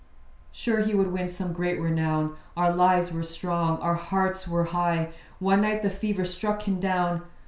Sure he would win some great renown: Our lives were strong, our hearts were high. One night the fever struck him down.